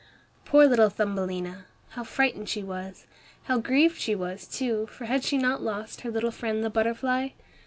Poor little Thumbelina! How frightened she was! How grieved she was, too, for had she not lost her little friend the butterfly?